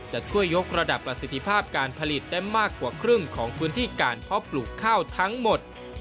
จะช่วยยกระดับประสิทธิภาพการผลิตได้มากกว่าครึ่งของพื้นที่การเพาะปลูกข้าวทั้งหมด